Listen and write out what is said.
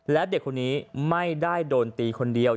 และเด็กคนนี้ไม่ได้โดนตีคนเดียว